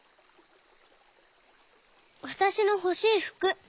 「わたしのほしいふく。